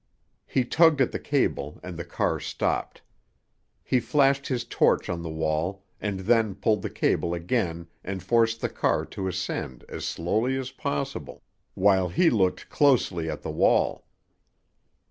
He tugged at the cable, and the car stopped. He flashed his torch on the wall, and then pulled the cable again and forced the car to ascend as slowly as possible, while he looked closely at the wall.